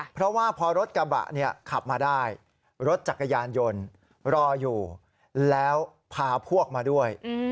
เพราะว่าพอรถกระบะเนี่ยขับมาได้รถจักรยานยนต์รออยู่แล้วพาพวกมาด้วย